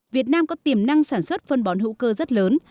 việt nam có tiềm năng sản xuất phân bón hữu cơ rất lớn